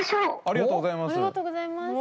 ありがとうございます。